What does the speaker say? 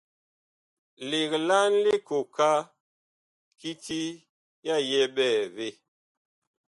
Legla likooka kiti ya yɛ ɓɛɛvee.